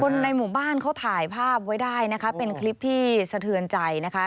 ในหมู่บ้านเขาถ่ายภาพไว้ได้นะคะเป็นคลิปที่สะเทือนใจนะคะ